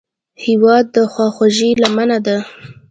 هېواد د خواخوږۍ لمنه ده.